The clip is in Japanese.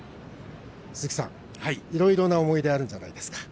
鈴木さん、いろいろな思い出があるんじゃないですか？